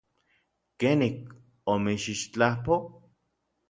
¿Kenik omitsixtlapoj?